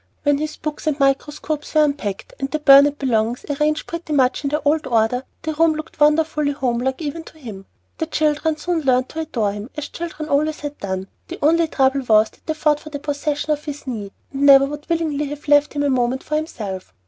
When his books and microscopes were unpacked, and the Burnet belongings arranged pretty much in their old order, the rooms looked wonderfully homelike, even to him. The children soon learned to adore him, as children always had done; the only trouble was that they fought for the possession of his knee, and would never willingly have left him a moment for himself.